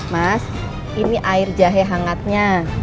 mas ini air jahe hangatnya